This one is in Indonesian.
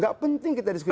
tidak penting kita diskusi